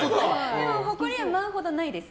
でも、ほこりは舞うほどないです。